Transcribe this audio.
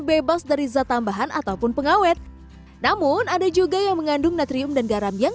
bebas dari zat tambahan ataupun pengawet namun ada juga yang mengandung natrium dan garam yang